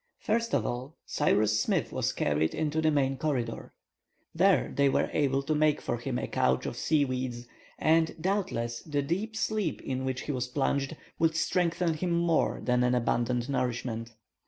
First of all, Cyrus Smith was carried into the main corridor. There they were able to make for him a couch of seaweeds, and, doubtless, the deep sleep in which he was plunged, would strengthen him more than an abundant nourishment.